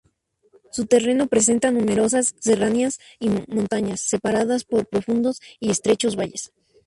Su terreno presenta numerosas serranías y montañas, separadas por profundos y estrechos valles.